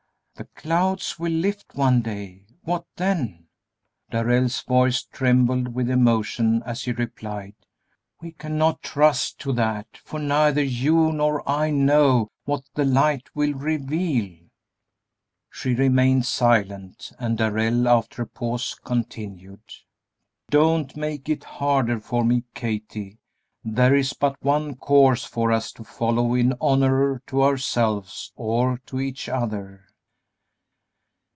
"The clouds will lift one day; what then?" Darrell's voice trembled with emotion as he replied, "We cannot trust to that, for neither you nor I know what the light will reveal." She remained silent, and Darrell, after a pause, continued: "Don't make it harder for me, Kathie; there is but one course for us to follow in honor to ourselves or to each other."